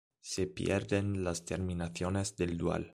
Se pierden las terminaciones del dual.